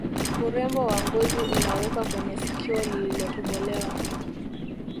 Urembo wa ngozi unawekwa kwenye sikio lilotobolewa